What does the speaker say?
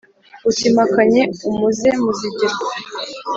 Uti: mpakanye umuze Muzigirwa